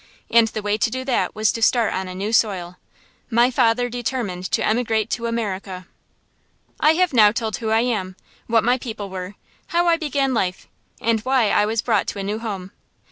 And the way to do that was to start on a new soil. My father determined to emigrate to America. I have now told who I am, what my people were, how I began life, and why I was brought to a new home.